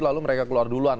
lalu mereka keluar duluan